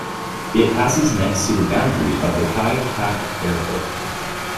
It passes next to the boundary of the Kai Tak airport.